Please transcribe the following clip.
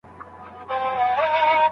بدن مو په روغتیا کي وساتئ.